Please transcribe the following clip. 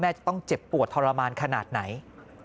จะต้องเจ็บปวดทรมานขนาดไหน